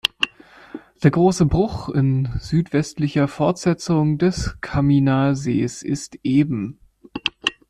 Der "Große Bruch" in südwestlicher Fortsetzung des Camminer Sees ist eben.